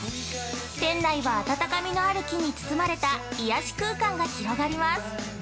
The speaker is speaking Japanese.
店内は温かみのある木に包まれた癒やし空間が広がります。